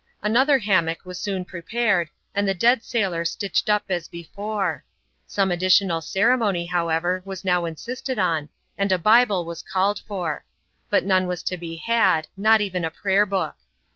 Another hammock was soon prepared, and the dead sailor stitched up as before. Some additional ceremony, however, was now insisted upon,^ and a Bible was called for. But none was to be had, not even a Prayer Book.